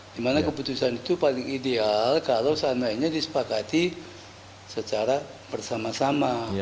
dimana keputusan itu paling ideal kalau seandainya disepakati secara bersama sama